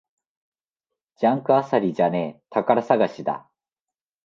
ジャンク漁りじゃねえ、宝探しだ